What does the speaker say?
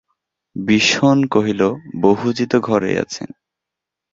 বিষন কহিল, বহুজি তো ঘরেই আছেন।